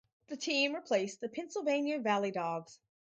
The team replaced the Pennsylvania ValleyDawgs.